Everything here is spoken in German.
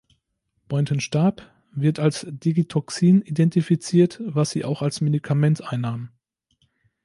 Boynton starb, wird als Digitoxin identifiziert, was sie auch als Medikament einnahm.